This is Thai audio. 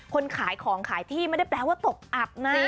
คนขายของขายที่ไม่ได้แปลว่าตกอับนะ